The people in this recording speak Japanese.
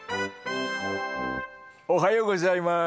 おはようございます。